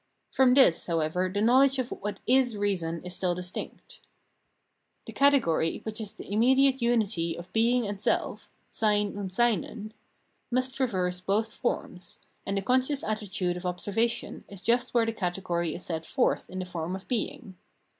From this, however, the knowledge of what is reason is still distinct. The category, which is the immediate unity of being and self {Seyn und Seinen), must traverse both forms, and the conscious attitude of observation is just where the category is set forth in the form of being.